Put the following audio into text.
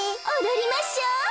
おどりましょう！